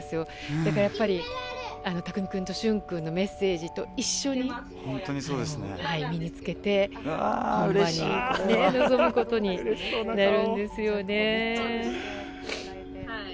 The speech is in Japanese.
だからやっぱり匠君と旬君のメッセージと一緒に身に着けて本番に臨むことになるんですよね。